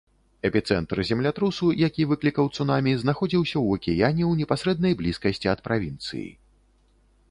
Эпіцэнтр землятрусу, які выклікаў цунамі, знаходзіўся ў акіяне ў непасрэднай блізкасці ад правінцыі.